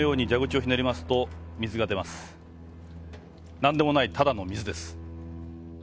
何でもないただの水です。